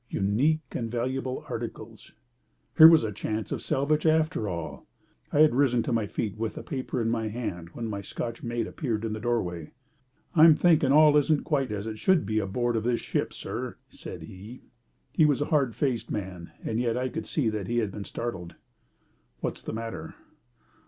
Unique and valuable articles! Here was a chance of salvage after all. I had risen to my feet with the paper in my hand when my Scotch mate appeared in the doorway. "I'm thinking all isn't quite as it should be aboard of this ship, sir," said he. He was a hard faced man, and yet I could see that he had been startled. "What's the matter?"